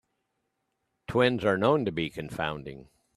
Twins are known to be confounding.